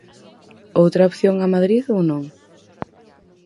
Outra opción a Madrid ou non?